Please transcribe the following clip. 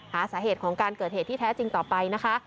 หาสาเหตุของการเกิดเหตุที่แท้จริงต่อไปนะคะ